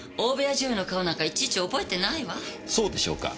そうでしょうか？